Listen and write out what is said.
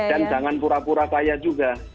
dan jangan pura pura kaya juga